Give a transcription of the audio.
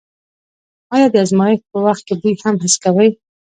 آیا د ازمایښت په وخت کې بوی هم حس کوئ؟